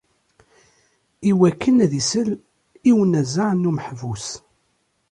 Iwakken ad isel i unazeɛ n umeḥbus.